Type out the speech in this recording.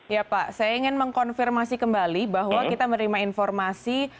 ya pak saya ingin mengkonfirmasi kembali bahwa kita menerima informasi